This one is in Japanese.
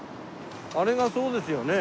あれがそうですよね？